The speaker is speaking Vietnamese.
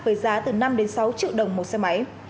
với giá từ năm đến sáu triệu đồng một xe máy